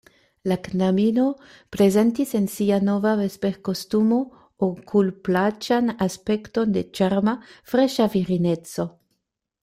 La knabino prezentis en sia nova vesperkostumo okulplaĉan aspekton de ĉarma, freŝa virineco.